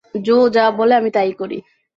জো যা বলে আমি তাই করি।